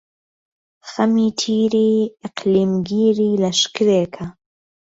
خەمی تیری ئیقلیمگیری لەشکرێکە،